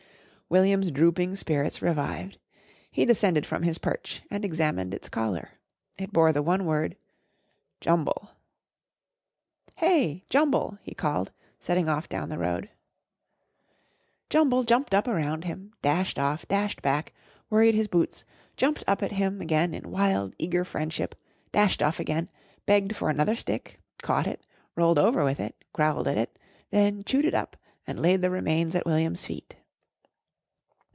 William's drooping spirits revived. He descended from his perch and examined its collar. It bore the one word "Jumble." "Hey! Jumble!" he called, setting off down the road. Jumble jumped up around him, dashed off, dashed back, worried his boots, jumped up at him again in wild, eager friendship, dashed off again, begged for another stick, caught it, rolled over with it, growled at it, then chewed it up and laid the remains at William's feet.